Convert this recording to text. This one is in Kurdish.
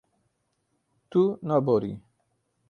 Tu naborî.